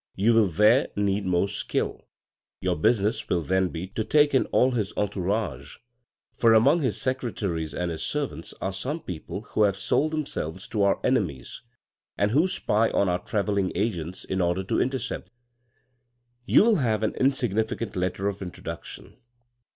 You will there need more skill. Your business will then be to take in all his entourage, for among his secretaries and his servants are some people who have sold themselves to our enemies, and who spy on our travelling agents in order to intercept them. " You will have an insignificant letter of introduction.